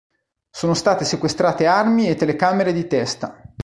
Sono state sequestrate armi e telecamere di testa.